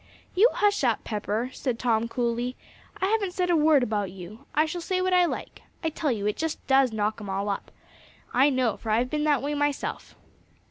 "You hush up, Pepper," said Tom coolly. "I haven't said a word about you. I shall say what I like. I tell you, it does just knock 'em all up. I know, for I've been that way myself."